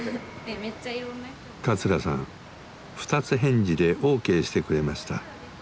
桂さん二つ返事でＯＫしてくれました。